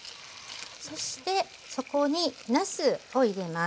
そしてそこになすを入れます。